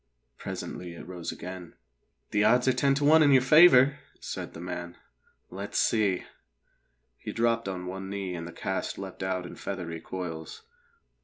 Presently it rose again. "The odds are ten to one in your favour," said the man. "Let's see!" He dropped on one knee and the cast leapt out in feathery coils.